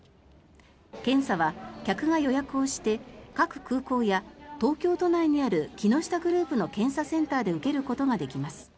検査は客が予約をして各空港や、東京都内にある木下グループの検査センターで受けることができます。